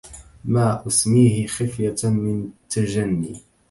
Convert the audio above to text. ما أسميه خيفة من تجني